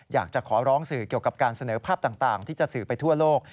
อยากจะขอร้องสื่อเกี่ยวกับการเสนอภาพต่างที่จะสื่อไปทั่วโลก